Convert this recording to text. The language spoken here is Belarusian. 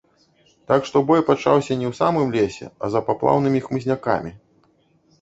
Так што бой пачаўся не ў самым лесе, а за паплаўнымі хмызнякамі.